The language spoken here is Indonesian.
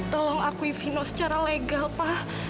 tolong akui vino secara legal pak